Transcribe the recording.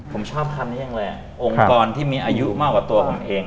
ผมชอบคำนี้ยังเลยองค์กรที่มีอายุมากกว่าตัวผมเอง